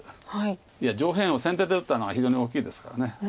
いや上辺を先手で打ったのが非常に大きいですから。